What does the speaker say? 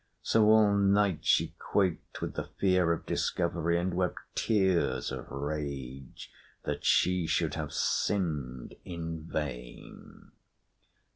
So all night she quaked with the fear of discovery, and wept tears of rage that she should have sinned in vain.